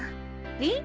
えっ？